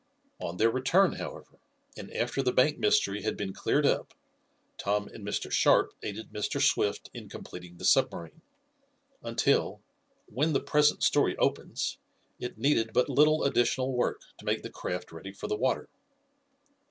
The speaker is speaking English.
On their return, however, and after the bank mystery had been cleared up, Tom and Mr. Sharp, aided Mr. Swift in completing the submarine, until, when the present story opens, it needed but little additional work to make the craft ready for the water.